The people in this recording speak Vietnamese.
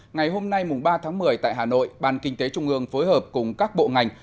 ngày hôm nay ba tháng một mươi tại hà nội ban kinh tế trung ương phối hợp cùng các bộ ngành